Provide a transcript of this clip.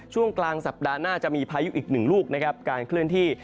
ช่วงกลางสัปดาห์หน้าจะมีพายุอีกหนึ่งลูกนะครับการเคลื่อนที่